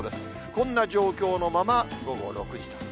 こんな状況のまま、午後６時です。